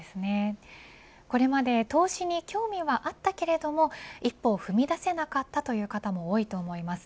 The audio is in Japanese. これまで投資に興味はあったけれども一歩を踏み出せなかったという方も多いと思います。